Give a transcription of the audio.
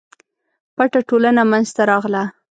پټه ټولنه منځته راغله.